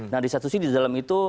nah di satu sisi di dalam itu